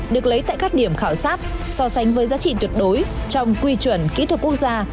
được lấy tại các điểm khảo sát so sánh với giá trị tuyệt đối trong quy chuẩn kỹ thuật quốc gia